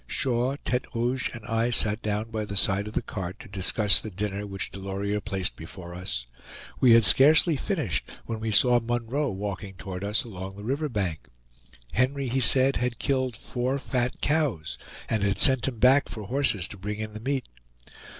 Shaw, Tete Rouge, and I sat down by the side of the cart to discuss the dinner which Delorier placed before us; we had scarcely finished when we saw Munroe walking toward us along the river bank. Henry, he said, had killed four fat cows, and had sent him back for horses to bring in the meat.